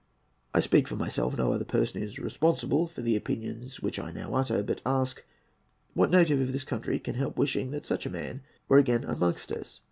I speak for myself. No person is responsible for the opinions which I now utter. But ask, what native of this country can help wishing that such a man were again amongst us?